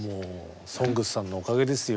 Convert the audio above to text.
「ＳＯＮＧＳ」さんのおかげですよ